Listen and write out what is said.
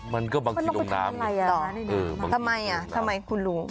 มันก็บางทีลงน้ำมันต้องไปทำอะไรอ่ะเออมันทำไมอ่ะทำไมคุณรู้